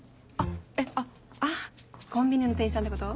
あっコンビニの店員さんってこと？